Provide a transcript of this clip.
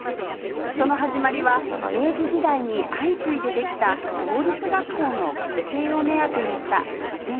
その始まりは明治時代に相次いでできた法律学校の学生を目当てにした書店や古書店でした